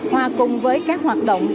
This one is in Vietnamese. hòa cùng với các hoạt động